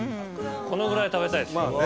このぐらい食べたいです。